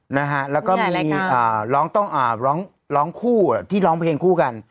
นะฮะแล้วก็มีร้องต้องร้องคู่ที่ร้องเพลงคู่กัน